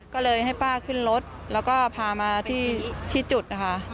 ก็เลยให้ป้าขึ้นรถแล้วก็พามาที่จุดนะคะ